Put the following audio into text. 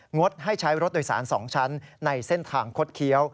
งดให้ใช้รถโดยสาร๒ชั้นในเส้นทางคดเคี้ยว